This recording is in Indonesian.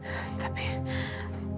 jangan mau istirahat aja